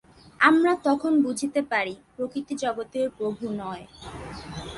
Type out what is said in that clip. আমরা তখন বুঝিতে পারি, প্রকৃতি জগতের প্রভু নয়।